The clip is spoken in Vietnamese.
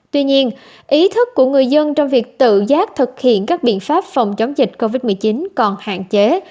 tuy nhiên ý thức của người dân trong việc tự giác thực hiện các biện pháp phòng chống dịch covid một mươi chín còn hạn chế